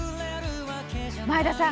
前田さん